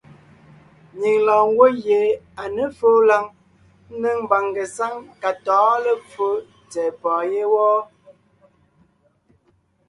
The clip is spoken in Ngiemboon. Nyìŋ lɔɔn ngwɔ́ gie à ně fóo lǎŋ ńnéŋ mbàŋ ngesáŋ ka tɔ̌ɔn lepfo tsɛ̀ɛ pɔ̀ɔn yé wɔ́.